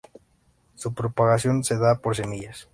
Su propagación se da por semillas.